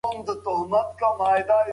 عزت په عاجزۍ او تقوا کې دی.